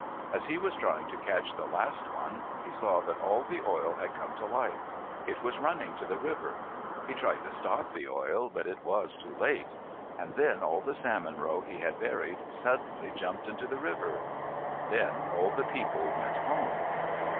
As he was trying to catch the last one, he saw that all the oil had come to life. It was running to the river. He tried to stop the oil, but it was too late. And then all the salmon roe he had buried suddenly jumped into the river. Then all the people went home.